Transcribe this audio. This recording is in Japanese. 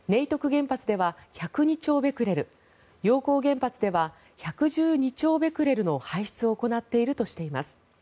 原発では１０２兆ベクレル陽江原発では１１２兆ベクレルの排出を行っているとしています。